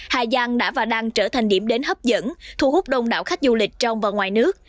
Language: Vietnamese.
hà giang đã và đang trở thành điểm đến hấp dẫn thu hút đông đảo khách du lịch trong và ngoài nước